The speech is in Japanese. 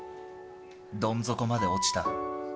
どん底まで落ちた。